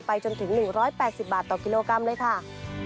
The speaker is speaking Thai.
จนถึง๑๘๐บาทต่อกิโลกรัมเลยค่ะ